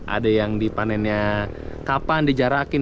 ada yang dipanennya kapan dijarakin